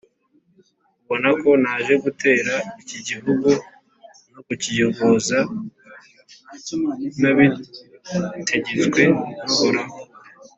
Ubona ko naje gutera iki gihugu no kukiyogoza ntabitegetswe n’Uhoraho ?